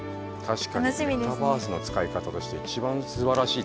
確かにメタバースの使い方として一番すばらしい使い方かもしれないね。